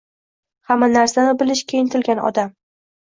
Hamma narsani bilishga intilgan odam